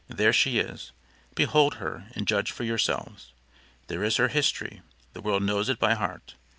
There she is behold her and judge for yourselves. There is her history, the world knows it by heart.